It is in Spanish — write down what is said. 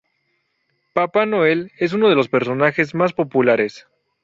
Papá Noel es uno de los personajes más populares.